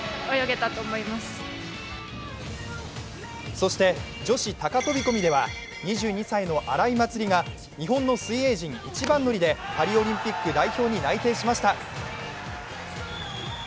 そして、女子高飛び込みでは２２歳の荒井祭里が日本の水永陣一番乗りでパリオリンピックに内定しました。